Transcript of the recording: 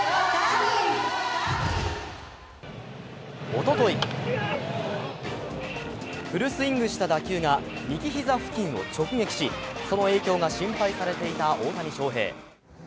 おととい、フルスイングした打球が右膝付近を直撃しその影響が心配されていた大谷翔平。